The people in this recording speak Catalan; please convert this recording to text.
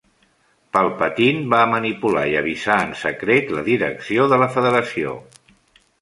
Palpatine va manipular i avisar en secret la direcció de la Federació.